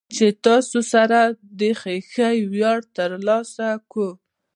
چې تاسې سره د خېښۍ وياړ ترلاسه کو.